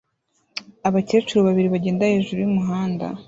Abakecuru babiri bagenda hejuru y'umuhanda